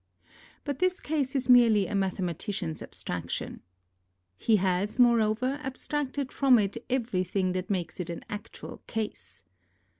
But this case is merely a mathematician's abstraction. He has, moreover, abstracted from it everything that makes it an actual case.